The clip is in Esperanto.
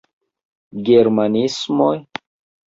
Germanismoj?